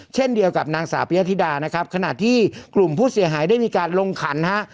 เช่นเดียวกับนางสาวปียธิดานะครับขณะที่กลุ่มผู้เสียหายได้มีการลงขันฮะ